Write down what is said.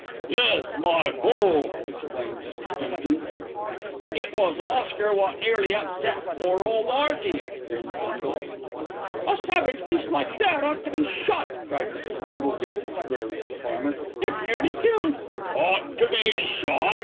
"Yes, my bull," explained Mr. Timkins. "It was Oscar wot nearly upset pore old 'Earty," grinned Bindle. "A savage beast like that ought to be shot," cried Mrs. Bindle, gazing squarely at the farmer. "It nearly killed " "Ought to be shot!"